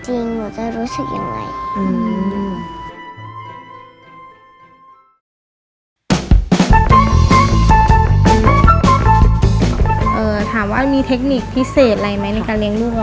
เออถามว่ามีเทคนิคพิเศษอะไรไหมในการเลี้ยงลูก